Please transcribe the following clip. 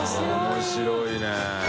面白いね。